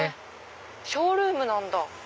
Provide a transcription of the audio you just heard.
ショールームなんだ。